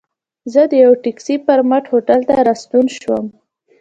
زه د یوه ټکسي پر مټ هوټل ته راستون شوم.